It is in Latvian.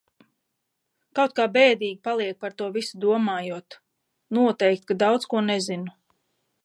Kaut kā bēdīgi paliek par to visu domājot. Noteikti, ka daudz ko nezinu.